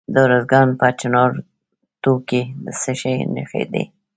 د ارزګان په چنارتو کې د څه شي نښې دي؟